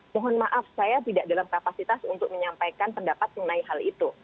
mohon maaf saya tidak dalam kapasitas untuk menyampaikan pendapat mengenai hal itu